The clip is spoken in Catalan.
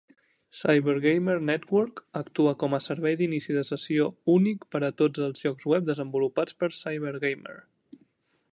CyberGamer Network actua com a servei d'inici de sessió únic per a tots els llocs web desenvolupats per CyberGamer.